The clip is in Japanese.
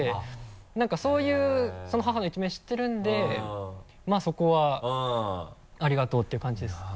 何かそういう母の一面を知ってるのでまぁそこはありがとうっていう感じですね。